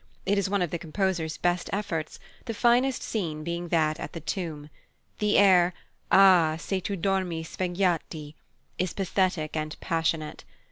It is one of the composer's best efforts, the finest scene being that at the tomb. The air, "Ah, se tu dormi svegliati," is pathetic and passionate.